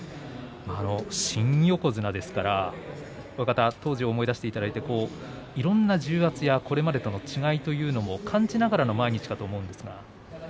新横綱ですから親方、当時を思い出していただいていろいろな重圧やこれまでの違いというものも感じながらの毎日そうですね